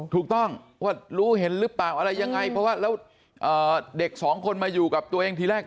ถูกต้องว่ารู้เห็นหรือเปล่าอะไรยังไงเพราะว่าแล้วเด็กสองคนมาอยู่กับตัวเองทีแรก